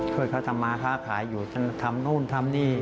ช่วยเขาทำมาค้าขายอยู่ทำนู่นทำนี่